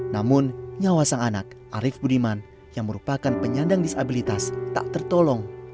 namun nyawa sang anak arief budiman yang merupakan penyandang disabilitas tak tertolong